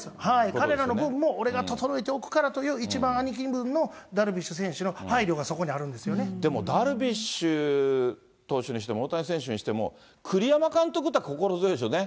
彼らの分も、俺が整えておくからという一番兄貴分のダルビッシュ選手の配慮がでも、ダルビッシュ投手にしても大谷選手にしても、栗山監督っていうのは心強いですよね。